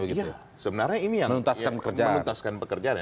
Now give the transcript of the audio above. iya sebenarnya ini yang menuntaskan pekerjaan